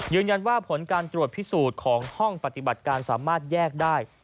ผลการตรวจพิสูจน์ของห้องปฏิบัติการสามารถแยกได้